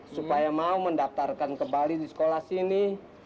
supaya mau mendaftarkan kembali di sekolah sini